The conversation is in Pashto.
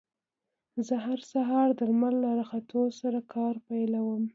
زه هر سهار د لمر له راختو سره کار پيلوم.